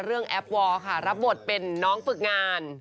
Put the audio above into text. แอปวอร์ค่ะรับบทเป็นน้องฝึกงาน